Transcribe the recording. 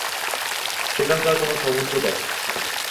সেখানকার কোনো সমুদ্র তটে।